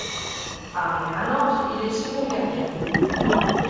Arrivé à Nantes, il est second gardien.